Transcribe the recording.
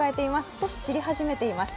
少し散り始めています。